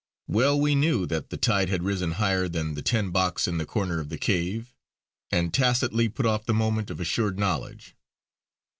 Well we knew that the tide had risen higher than the tin box in the corner of the cave, and tacitly put off the moment of assured knowledge.